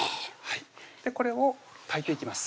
これを炊いていきます